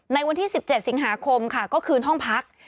ในวันที่๑๗สิงหาคมค่ะก็คืนห้องพัก